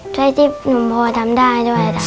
ช่วยที่หนูพอทำได้ด้วยจ้ะ